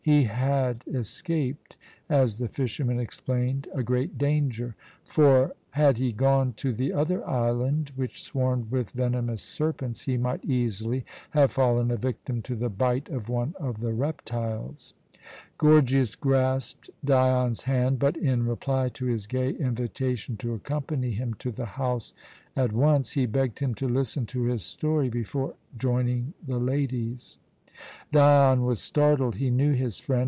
He had escaped as the fisherman explained a great danger; for had he gone to the other island, which swarmed with venomous serpents, he might easily have fallen a victim to the bite of one of the reptiles. Gorgias grasped Dion's hand but, in reply to his gay invitation to accompany him to the house at once, he begged him to listen to his story before joining the ladies. Dion was startled. He knew his friend.